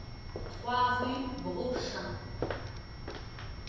trois rue Brochain